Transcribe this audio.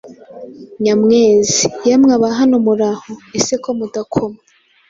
Nyamwezi: Yemwe aba hano muraho! Ese ko mudakoma